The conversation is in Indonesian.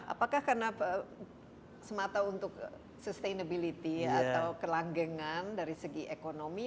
apakah karena semata untuk sustainability atau kelanggengan dari segi ekonomi